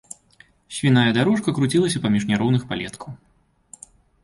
Свіная дарожка круцілася паміж няроўных палеткаў.